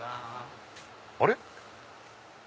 あれ？